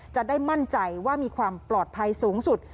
จะได้มั่นใจว่ามีความปลอดภัยสูงสุด